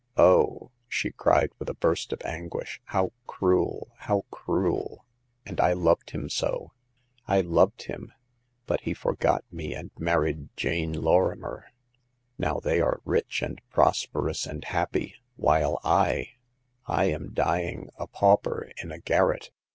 Oh !" she cried with a burst of anguish, "how cruel, how cruel! and I loved him so — I loved him ! But he forgot me and married Jane Lorrimer. Now they are rich and prosperous and happy, while I— I am dying a pauper in a garret.